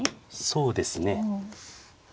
そうですね。